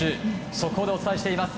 速報でお伝えしています。